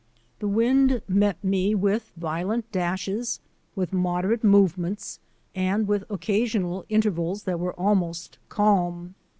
The wind met me with violent dashes, with moderate movements, and with occasional inter vals that were almost calm.